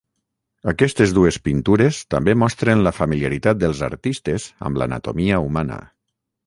Aquestes dues pintures també mostren la familiaritat dels artistes amb l'anatomia humana.